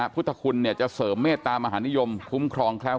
พุทธคุณจะเสริมเมตตามหานิยมคุ้มครองแคล้ว